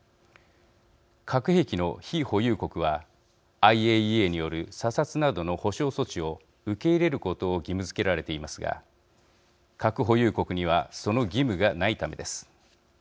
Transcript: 核兵器の非保有国はＩＡＥＡによる査察などの保障措置を受け入れることを義務づけられていますが核保有国にはその義務がないためです。